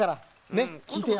ねっきいてよ。